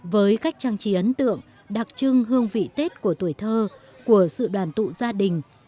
với cách trang trí ấn tượng đặc trưng hương vị tết của tuổi thơ của sự đoàn tụ gia đình